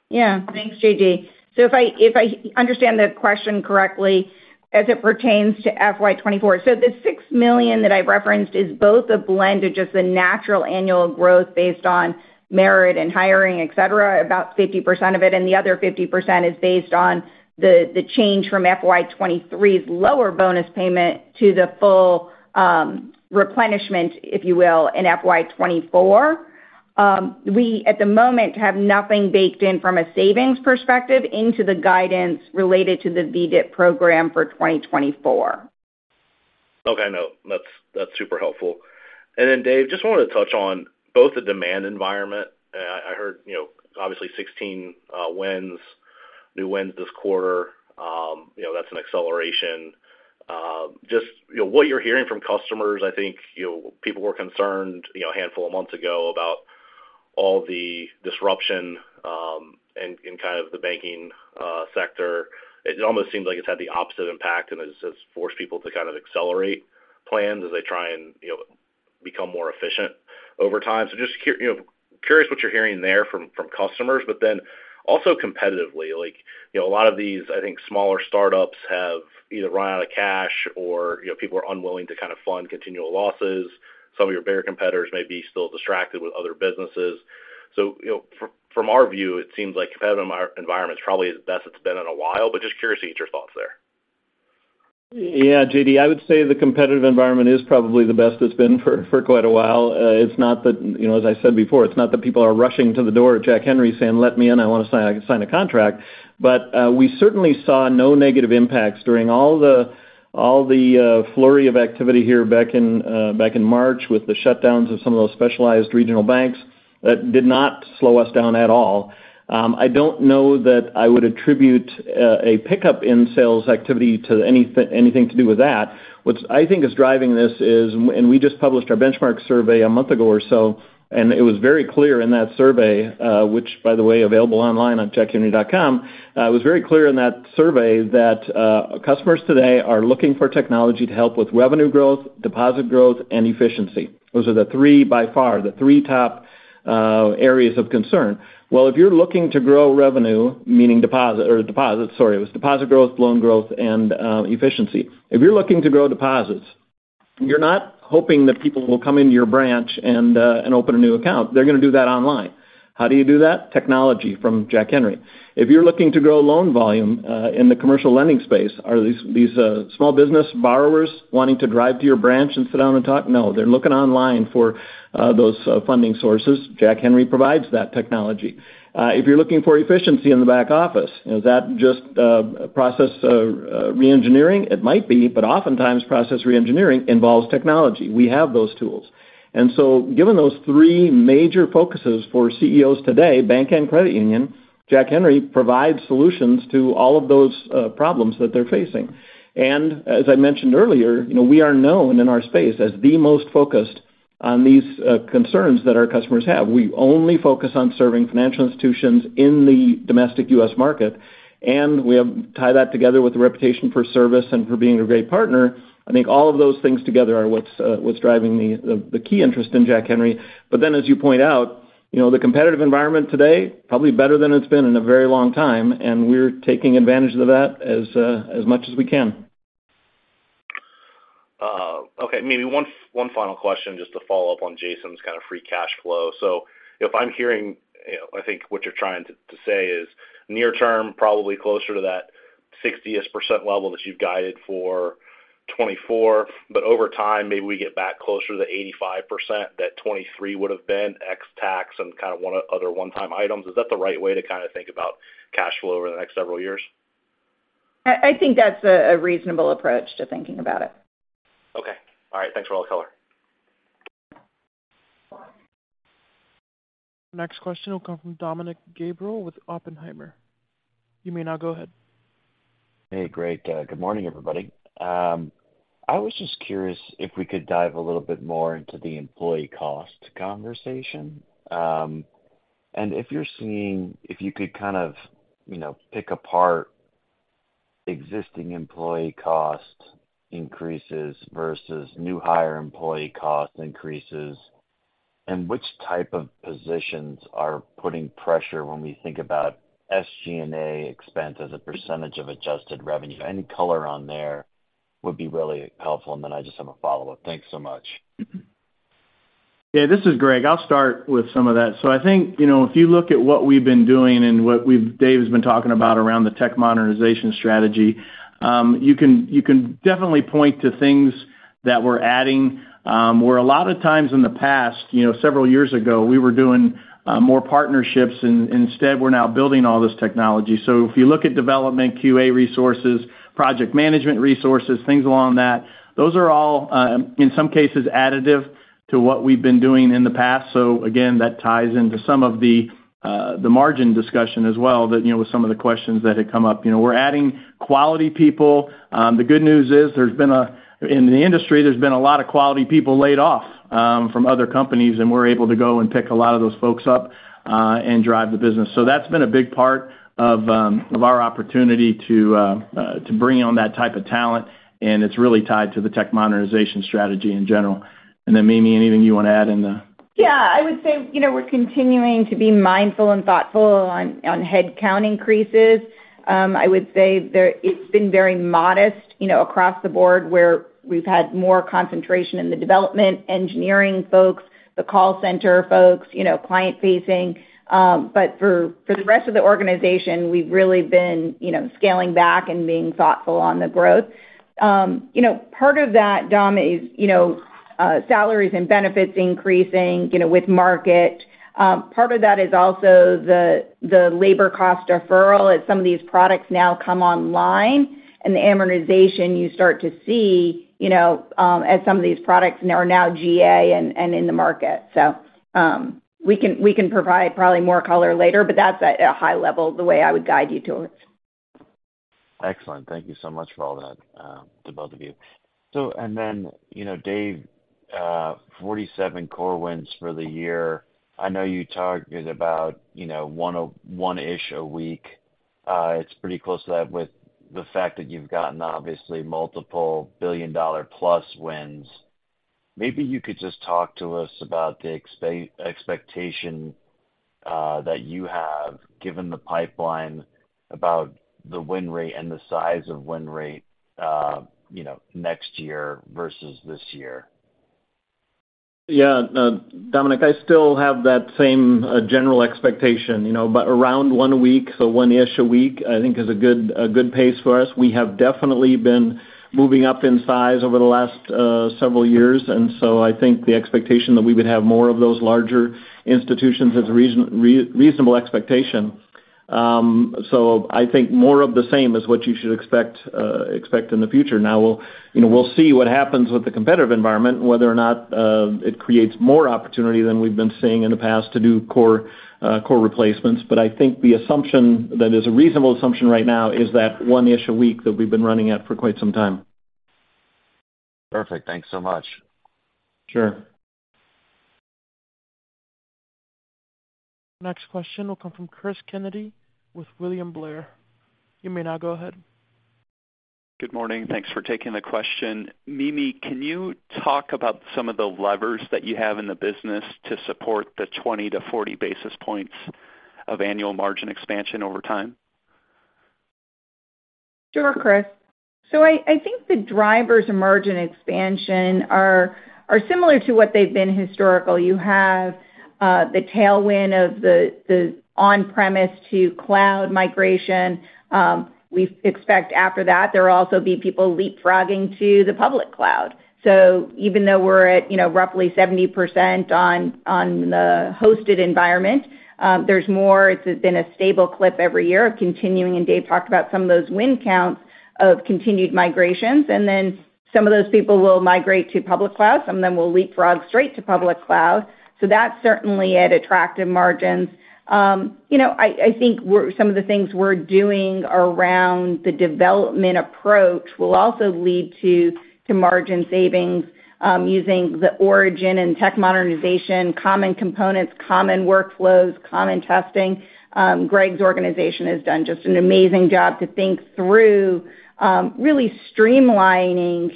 Yeah. Thanks, JD. If I, if I understand the question correctly, as it pertains to FY 2024. The $6 million that I referenced is both a blend of just the natural annual growth based on merit and hiring, et cetera, about 50% of it, and the other 50% is based on the, the change from FY 2023's lower bonus payment to the full, replenishment, if you will, in FY 2024. We, at the moment, have nothing baked in from a savings perspective into the guidance related to the VDIP program for 2024. Okay, that's super helpful. Then, Dave, just wanted to touch on both the demand environment. I heard, you know, obviously 16 wins, new wins this quarter. You know, that's an acceleration. Just, you know, what you're hearing from customers, I think, you know, people were concerned, you know, a handful of months ago about all the disruption, and, in kind of the banking sector. It almost seems like it's had the opposite impact, and it's just forced people to kind of accelerate plans as they try and, you know, become more efficient over time. Just, you know, curious what you're hearing there from, from customers, but then also competitively, like, you know, a lot of these, I think, smaller startups have either run out of cash or, you know, people are unwilling to kind of fund continual losses. Some of your bigger competitors may be still distracted with other businesses. You know, from, from our view, it seems like competitive environment is probably the best it's been in a while, but just curious to get your thoughts there. Yeah, JD, I would say the competitive environment is probably the best it's been for quite a while. It's not that, you know, as I said before, it's not that people are rushing to the door at Jack Henry saying, "Let me in. I want to sign a contract." We certainly saw no negative impacts during all the flurry of activity here back in March, with the shutdowns of some of those specialized regional banks. That did not slow us down at all. I don't know that I would attribute a pickup in sales activity to anything to do with that. What I think is driving this is, we just published our benchmark survey a month ago or so, and it was very clear in that survey, which, by the way, available online on jackhenry.com. It was very clear in that survey that customers today are looking for technology to help with revenue growth, deposit growth, and efficiency. Those are the three, by far, the three top areas of concern. Well, if you're looking to grow revenue, meaning deposit or deposit, sorry, it was deposit growth, loan growth, and efficiency. If you're looking to grow deposits, you're not hoping that people will come into your branch and open a new account. They're going to do that online. How do you do that? Technology from Jack Henry. If you're looking to grow loan volume, in the commercial lending space, are these, these, small business borrowers wanting to drive to your branch and sit down and talk? No, they're looking online for those funding sources. Jack Henry provides that technology. If you're looking for efficiency in the back office, is that just process reengineering? It might be, but oftentimes, process reengineering involves technology. We have those tools. Given those three major focuses for CEOs today, bank and credit union, Jack Henry provides solutions to all of those problems that they're facing. As I mentioned earlier, you know, we are known in our space as the most focused on these concerns that our customers have. We only focus on serving financial institutions in the domestic U.S. market, and we have tied that together with a reputation for service and for being a great partner. I think all of those things together are what's driving the, the, the key interest in Jack Henry. As you point out, you know, the competitive environment today, probably better than it's been in a very long time, and we're taking advantage of that as much as we can. Okay. Maybe one final question, just to follow up on Jason's kind of free cash flow. If I'm hearing, you know, I think what you're trying to, to say is near term, probably closer to that 60% level that you've guided for 2024, but over time, maybe we get back closer to the 85% that 2023 would have been, ex tax and kind of one- other one-time items. Is that the right way to kind of think about cash flow over the next several years? I think that's a reasonable approach to thinking about it. Okay. All right. Thanks for all the color. Next question will come from Dominick Gabriele with Oppenheimer. You may now go ahead. Hey, Greg. Good morning, everybody. I was just curious if we could dive a little bit more into the employee cost conversation, and if you could kind of, you know, pick apart existing employee cost increases versus new hire employee cost increases, and which type of positions are putting pressure when we think about SG&A expense as a percentage of adjusted revenue. Any color on there would be really helpful, and then I just have a follow-up. Thanks so much. Yeah, this is Greg. I'll start with some of that. I think, you know, if you look at what we've been doing and Dave has been talking about around the technology modernization strategy, you can, you can definitely point to things that we're adding, where a lot of times in the past, you know, several years ago, we were doing, more partnerships, and instead, we're now building all this technology. If you look at development, QA resources, project management resources, things along that, those are all, in some cases, additive to what we've been doing in the past. Again, that ties into some of the, the margin discussion as well, that, you know, with some of the questions that had come up. You know, we're adding quality people. The good news is there's been in the industry, there's been a lot of quality people laid off, from other companies, and we're able to go and pick a lot of those folks up, and drive the business. That's been a big part of our opportunity to bring on that type of talent, and it's really tied to the tech modernization strategy in general. Mimi, anything you want to add in there? Yeah, I would say we're continuing to be mindful and thoughtful on headcount increases. I would say it's been very modest across the board, where we've had more concentration in the development, engineering folks, the call center folks client-facing. For the rest of the organization, we've really been, scaling back and being thoughtful on the growth. Part of that, Dom, is salaries and benefits increasing with market. Part of that is also the labor cost deferral, as some of these products now come online. The amortization you start to see, you know, as some of these products are now GA and in the market. We can provide probably more color later, but that's at a high level, the way I would guide you to it. Excellent. Thank you so much for all that to both of you. You know, Dave, 47 core wins for the year. I know you targeted about, you know, one-ish a week. It's pretty close to that with the fact that you've gotten obviously multiple billion-dollar-plus wins. Maybe you could just talk to us about the expectation that you have, given the pipeline, about the win rate and the size of win rate, you know, next year versus this year. Yeah, Dominic, I still have that same, general expectation, you know, about around one a week, so one-ish a week, I think is a good pace for us. We have definitely been moving up in size over the last, several years, and so I think the expectation that we would have more of those larger institutions is a reasonable expectation. I think more of the same is what you should expect in the future. Now, we'll, you know, we'll see what happens with the competitive environment, whether or not, it creates more opportunity than we've been seeing in the past to do core replacements. I think the assumption that is a reasonable assumption right now is that one-ish a week that we've been running at for quite some time. Perfect. Thanks so much. Sure. Next question will come from Cris Kennedy with William Blair. You may now go ahead. Good morning. Thanks for taking the question. Mimi, can you talk about some of the levers that you have in the business to support the 20 to 40 basis points of annual margin expansion over time? Sure, Cris. I think the drivers of margin expansion are, are similar to what they've been historical. You have the tailwind of the on-premise to cloud migration. We expect after that, there will also be people leapfrogging to the public cloud. Even though we're at, you know, roughly 70% on the hosted environment, there's more. It's been a stable clip every year of continuing, and Dave talked about some of those win counts of continued migrations. Then some of those people will migrate to public cloud, some of them will leapfrog straight to public cloud. That's certainly at attractive margins. I think we're, some of the things we're doing around the development approach will also lead to margin savings, using the Origin and Tech Modernization, common components, common workflows, common testing. Greg's organization has done just an amazing job to think through really streamlining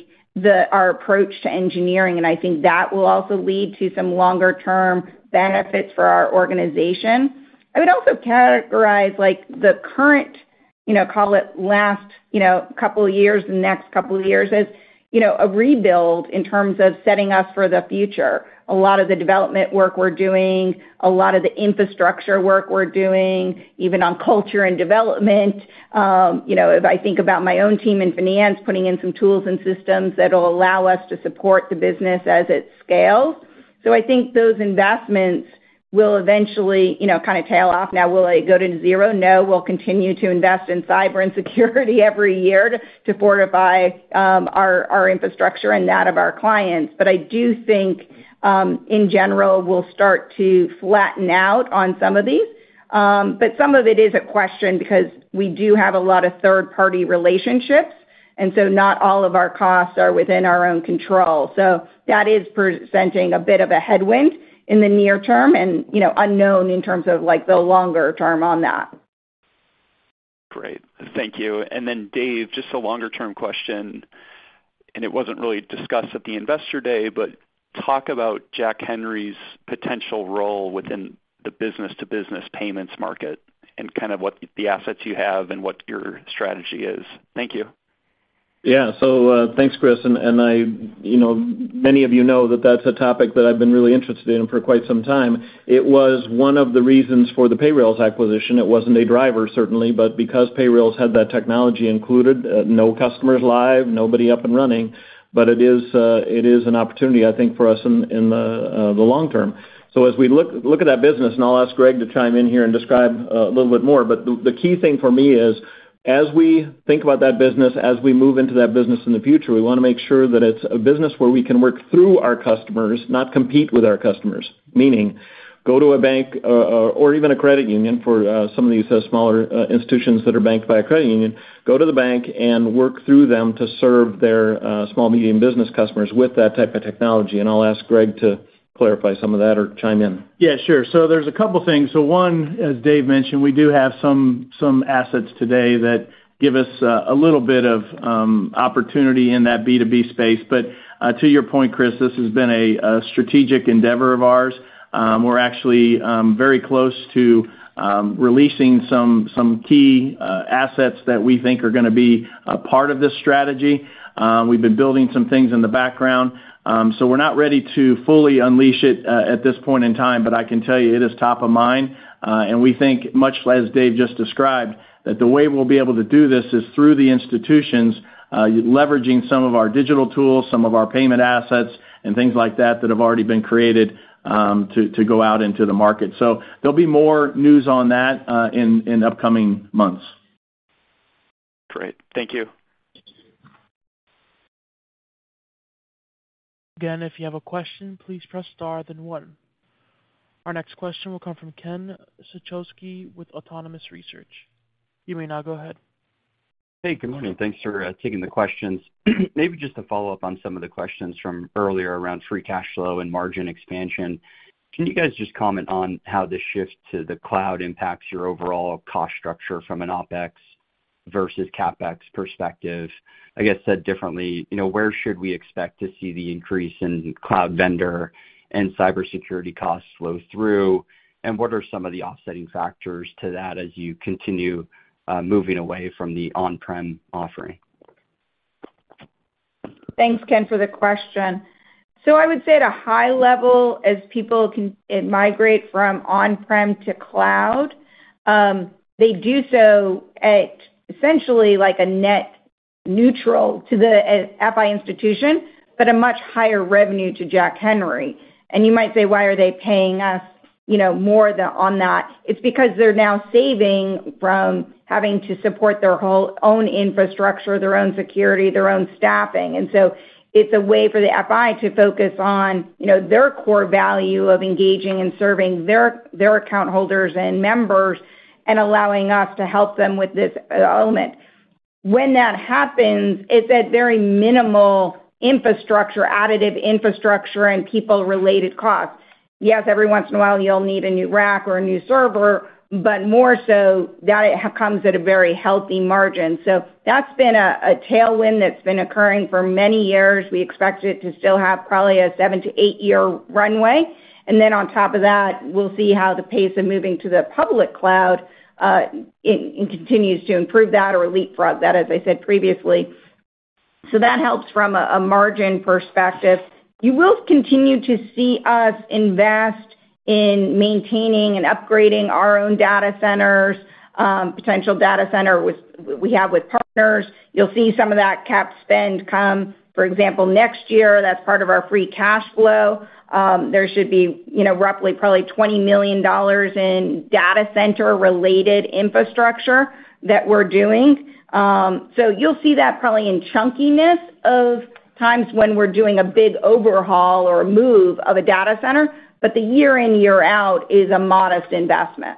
our approach to engineering. I think that will also lead to some longer-term benefits for our organization. I would also characterize, like, the current, call it last, couple of years, the next couple of years as a rebuild in terms of setting us for the future. A lot of the development work we're doing, a lot of the infrastructure work we're doing, even on culture and development, if I think about my own team in finance, putting in some tools and systems that will allow us to support the business as it scales. I think those investments will eventually, kind of tail off. Now, will they go to zero? No, we'll continue to invest in cyber and security every year to fortify our infrastructure and that of our clients. I do think, in general, we'll start to flatten out on some of these. Some of it is a question because we do have a lot of third-party relationships, and so not all of our costs are within our own control. That is presenting a bit of a headwind in the near term and, you know, unknown in terms of, like, the longer term on that. Great. Thank you. Dave, just a longer-term question, and it wasn't really discussed at the Investor Day, but talk about Jack Henry's potential role within the business-to-business payments market and kind of what the assets you have and what your strategy is? Thank you. Yeah. Thanks, Cris. And, and I, you know, many of you know that that's a topic that I've been really interested in for quite some time. It was one of the reasons for the Payrailz acquisition. It wasn't a driver, certainly, but because Payrailz had that technology included, no customers live, nobody up and running, but it is an opportunity, I think, for us in, in the long term. As we look, look at that business, and I'll ask Greg to chime in here and describe a little bit more, but the, the key thing for me is, as we think about that business, as we move into that business in the future, we want to make sure that it's a business where we can work through our customers, not compete with our customers. Meaning, go to a bank, or even a credit union for some of these smaller institutions that are banked by a credit union, go to the bank and work through them to serve their small, medium business customers with that type of technology. I'll ask Greg to clarify some of that or chime in. Yeah, sure. There's a couple things. One, as Dave mentioned, we do have some, some assets today that give us a little bit of opportunity in that B2B space. To your point, Cris, this has been a strategic endeavor of ours. We're actually very close to releasing some key assets that we think are going to be a part of this strategy. We've been building some things in the background. We're not ready to fully unleash it at this point in time, but I can tell you it is top of mind. We think, much as Dave just described, that the way we'll be able to do this is through the institutions, leveraging some of our digital tools, some of our payment assets, and things like that, that have already been created to go out into the market. There'll be more news on that in upcoming months. Great. Thank you. Again, if you have a question, please press star, then one. Our next question will come from Ken Suchoski with Autonomous Research. You may now go ahead. Hey, good morning. Thanks for taking the questions. Maybe just to follow up on some of the questions from earlier around free cash flow and margin expansion. Can you guys just comment on how this shift to the cloud impacts your overall cost structure from an OpEx versus CapEx perspective? I guess, said differently, you know, where should we expect to see the increase in cloud vendor and cybersecurity costs flow through, and what are some of the offsetting factors to that as you continue moving away from the on-prem offering? Thanks, Ken, for the question. I would say at a high level, as people can migrate from on-prem to cloud, they do so at essentially like a net neutral to the FI institution, but a much higher revenue to Jack Henry. You might say, why are they paying us, you know, more than on that? It's because they're now saving from having to support their whole own infrastructure, their own security, their own staffing. It's a way for the FI to focus on, you know, their core value of engaging and serving their, their account holders and members and allowing us to help them with this element. When that happens, it's at very minimal infrastructure, additive infrastructure and people-related costs. Yes, every once in a while, you'll need a new rack or a new server, but more so, that comes at a very healthy margin. That's been a, a tailwind that's been occurring for many years. We expect it to still have probably a seven to eight-year runway. Then on top of that, we'll see how the pace of moving to the public cloud, it continues to improve that or leapfrog that, as I said previously. That helps from a margin perspective. You will continue to see us invest in maintaining and upgrading our own data centers, potential data center with, we have with partners. You'll see some of that CapEx spend come, for example, next year. That's part of our free cash flow. There should be, you know, roughly probably $20 million in data center-related infrastructure that we're doing. You'll see that probably in chunkiness of times when we're doing a big overhaul or a move of a data center, but the year in, year out is a modest investment.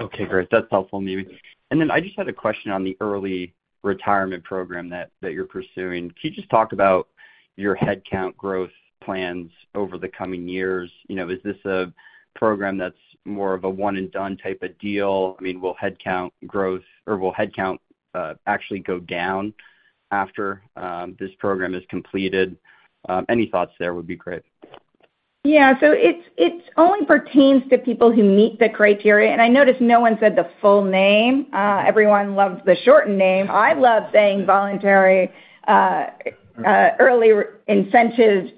Okay, great. That's helpful, Mimi. Then I just had a question on the early retirement program that, that you're pursuing. Can you just talk about your headcount growth plans over the coming years? You know, is this a program that's more of a one-and-done type of deal? I mean, will headcount growth or will headcount actually go down after this program is completed? Any thoughts there would be great. Yeah, it's only pertains to people who meet the criteria, and I noticed no one said the full name. Everyone loved the shortened name. I love saying Voluntary Early Incentive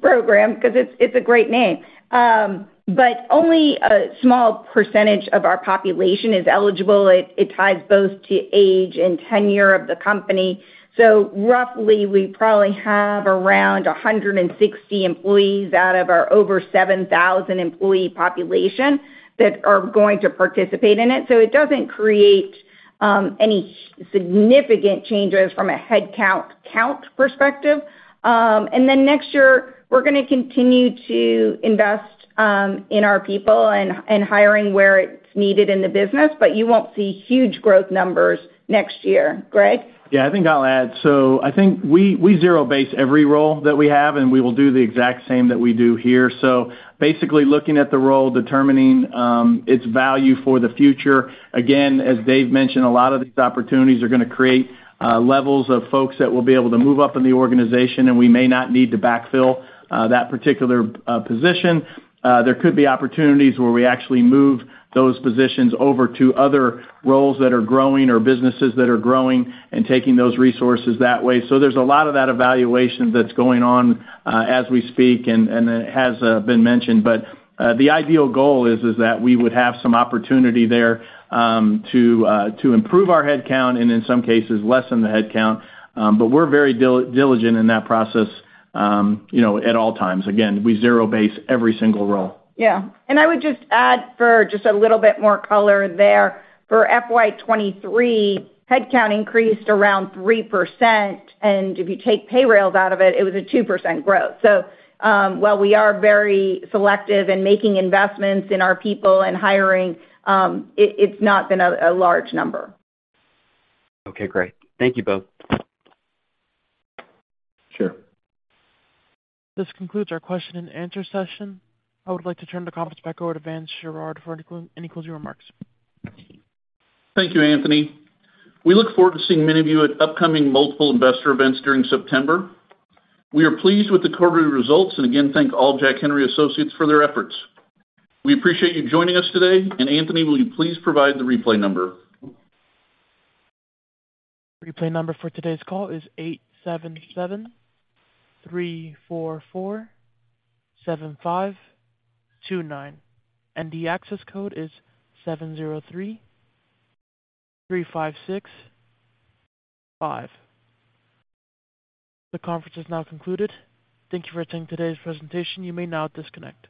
Program because it's, it's a great name. Only a small percentage of our population is eligible. It, it ties both to age and tenure of the company. Roughly, we probably have around 160 employees out of our over 7,000 employee population that are going to participate in it. It doesn't create any significant changes from a headcount count perspective. Then next year, we're going to continue to invest in our people and, and hiring where it's needed in the business, but you won't see huge growth numbers next year. Greg? Yeah, I think I'll add. I think we zero-base every role that we have, and we will do the exact same that we do here. Basically, looking at the role, determining, its value for the future. Again, as Dave mentioned, a lot of these opportunities are going to create, levels of folks that will be able to move up in the organization, and we may not need to backfill, that particular, position. There could be opportunities where we actually move those positions over to other roles that are growing or businesses that are growing and taking those resources that way. There's a lot of that evaluation that's going on, as we speak, and, and it has, been mentioned. The ideal goal is, is that we would have some opportunity there, to, to improve our headcount and in some cases, lessen the headcount. We're very diligent in that process, you know, at all times. Again, we zero base every single role. Yeah. I would just add for just a little bit more color there. For FY 2023, headcount increased around 3%, and if you take Payrailz out of it, it was a 2% growth. While we are very selective in making investments in our people and hiring, it's not been a large number. Okay, great. Thank you both. Sure. This concludes our question and answer session. I would like to turn the conference back over to Vance Sherard for any closing remarks. Thank you, Anthony. We look forward to seeing many of you at upcoming multiple investor events during September. We are pleased with the quarterly results, and again, thank all Jack Henry associates for their efforts. We appreciate you joining us today. Anthony, will you please provide the replay number? Replay number for today's call is 877-344-7529, and the access code is 7033565. The conference is now concluded. Thank you for attending today's presentation. You may now disconnect.